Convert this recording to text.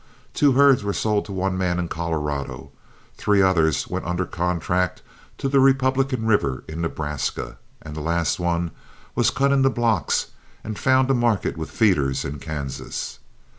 Two herds were sold to one man in Colorado, three others went under contract to the Republican River in Nebraska, and the last one was cut into blocks and found a market with feeders in Kansas.